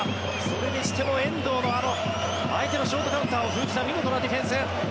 それにしても遠藤のあの相手のショートカウンターを封じた見事なディフェンス。